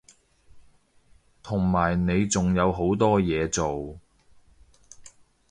同埋你仲有好多嘢做